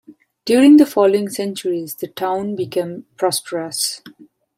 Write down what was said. During the following centuries, the town became prosperous.